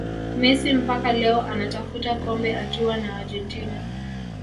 Messi mpaka leo anatafuta kombe akiwa na Argentina